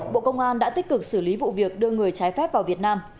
bộ công an đã tích cực xử lý vụ việc đưa người trái phép vào việt nam